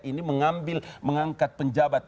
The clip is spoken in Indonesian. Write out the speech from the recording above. ini mengambil mengangkat penjabat